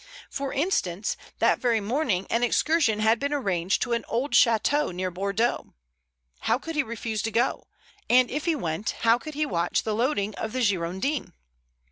For instance, that very morning an excursion had been arranged to an old chateau near Bordeaux. How could he refuse to go? And if he went how could he watch the loading of the _Girondin?